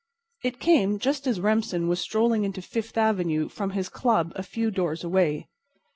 It came just as Remsen was strolling into Fifth avenue from his club a few doors away.